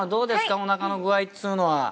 おなかの具合っつうのは。